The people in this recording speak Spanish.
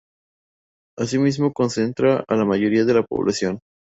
Asimismo, concentra a la mayoría de la población.